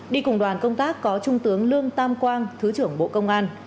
đi cùng đoàn công tác có trung tướng lương tam quang thứ trưởng bộ công an